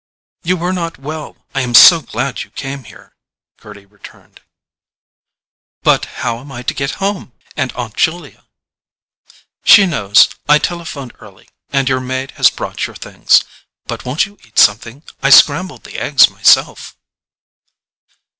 "You were not well; I am so glad you came here," Gerty returned. "But how am I to get home? And Aunt Julia—?" "She knows; I telephoned early, and your maid has brought your things. But won't you eat something? I scrambled the eggs myself."